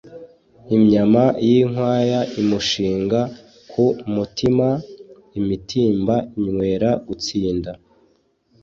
Imyama y’inkwaya imushinga ku mutima, imitimba inywera gusinda,